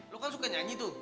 lo kan suka nyanyi tuh